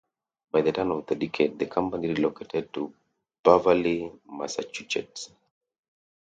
By the turn of the decade, the company relocated to Beverly, Massachusetts.